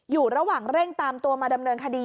อยู่ระหว่างเร่งตามตัวมาดำเนินคดี